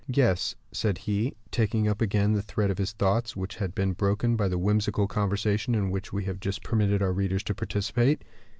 "Yes," said he, taking up again the thread of his thoughts, which had been broken by the whimsical conversation in which we have just permitted our readers to participate.